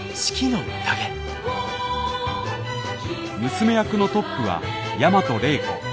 娘役のトップは大和礼子。